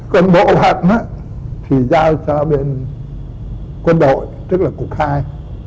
còn bộ phận thì giao cho bên quân đội tức là cục hai